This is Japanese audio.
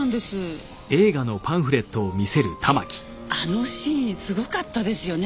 ねえあのシーンすごかったですよねぇ。